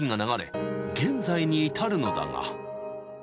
［現在に至るのだが］